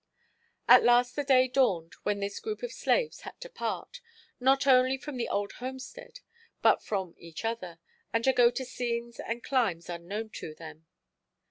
At last the day dawned when this group of slaves had to part, not only from the old homestead but from each other, and to go to scenes and climes unknown to them.